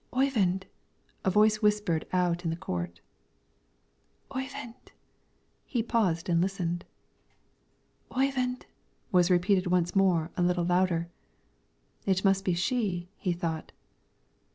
"Oyvind!" a voice whispered out in the court; "Oyvind!" He paused and listened. "Oyvind," was repeated once more, a little louder. "It must be she," he thought.